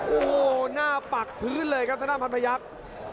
โอ้โหหน้าปักพื้นเลยครับทางด้านพันพยักษ์